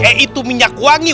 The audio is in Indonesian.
eh itu minyak wangi